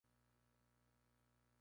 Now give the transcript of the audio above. Infante de Castilla y León.